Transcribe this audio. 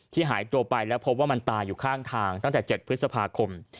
หายตัวไปแล้วพบว่ามันตายอยู่ข้างทางตั้งแต่๗พฤษภาคม